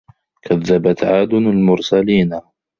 كَذَّبَت عادٌ المُرسَلينَ